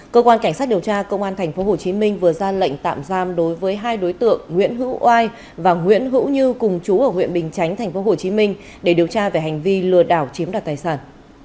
cơ quan cảnh sát điều tra công an tp hcm vừa ra lệnh tạm giam đối với hai đối tượng nguyễn hữu oai và nguyễn hữu như cùng chú ở huyện bình chánh tp hcm để điều tra về hành vi lừa đảo chiếm đoạt tài sản